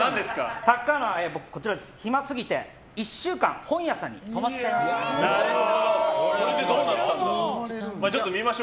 僕、暇すぎて１週間本屋さんに泊まっちゃいました。